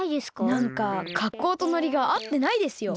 なんかかっこうとノリがあってないですよ。